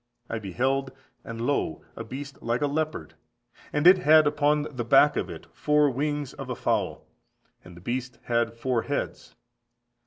I beheld, and lo a beast like a leopard, and it had upon the back of it four wings of a fowl, and the beast had four heads.